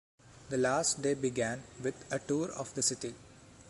The last day began with a tour of the city.